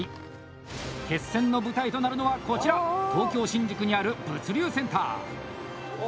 決戦の舞台となるのはこちら東京・新宿にある物流センター。